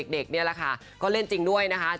นี่แหละค่ะก็เล่นจริงด้วยนะคะ